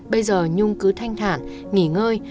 bây giờ nhung cứ thanh thản nghỉ ngơi